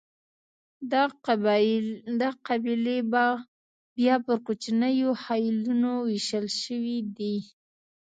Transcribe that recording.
دا قبیلې بیا پر کوچنیو خېلونو وېشل شوې دي.